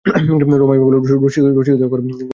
রমাই ভাবিল রসিকতা করা আবশ্যক।